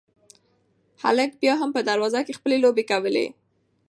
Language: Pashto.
هلک بیا هم په دروازه کې خپلې لوبې کولې.